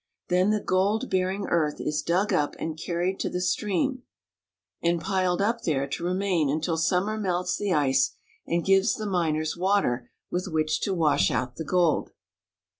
Then the gold bearing earth is dug up and carried to the stream, and piled up there to remain until summer melts the ice and gives the miners water with which to wash out the gold.